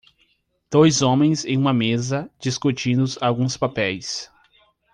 Dois homens em uma mesa discutindo alguns papéis.